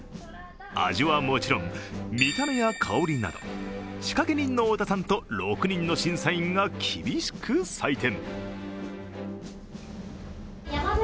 味はもちろん、見た目や香りなど仕掛け人の太田さんと６人の審査員が厳しく採点。